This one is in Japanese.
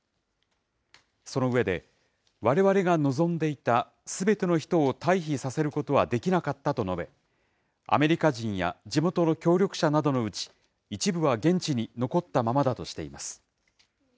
その上で、われわれが望んでいたすべての人を退避させることはできなかったと述べ、アメリカ人や地元の協力者などのうち、一部は現地に残ったままだとしています。